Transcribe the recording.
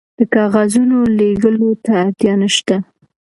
د کاغذونو لیږلو ته اړتیا نشته.